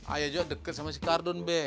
ayah juga deket sama si kardun be